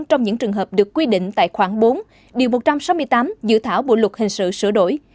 trong những trường hợp được quy định tại khoảng bốn điều một trăm sáu mươi tám dự thảo bộ luật hình sự sửa đổi